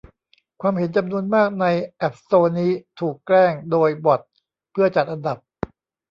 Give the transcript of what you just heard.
ความเห็นจำนวนมากในแอพสโตร์นี้ถูกแกล้งโดยบ็อตเพื่อจัดอันดับ